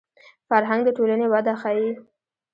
فرهنګ د ټولنې وده ښيي